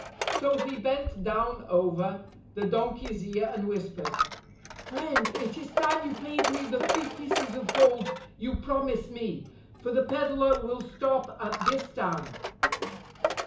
So he bent down over the donkey's ear and whispered, "Friend, it is time you paid me the three pieces of gold you promised me; for the peddler will stop at this town."